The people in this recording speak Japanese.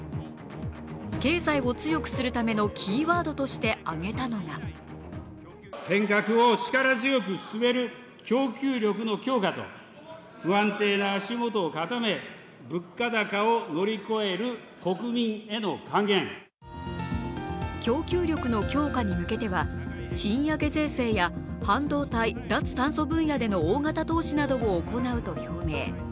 経済を強くするためのキーワードとして挙げたのが供給力の強化に向けては賃上げ税制や半導体・脱炭素分野での大型投資を行うと表明。